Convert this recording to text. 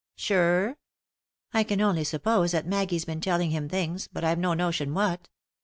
" Sure ?" "I can only suppose that Maggie's been telling bim things, but I've no notion what."